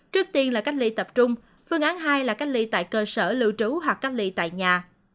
trước tiên là cách ly tập trung phương án hai là cách ly tại cơ sở lưu trú hoặc cách ly tại nhà